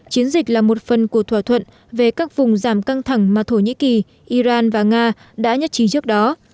chiến dịch là một phần của thỏa thuận về các vùng giảm căng thẳng mà thổ nhĩ kỳ iran và nga đã nhất trí trước đó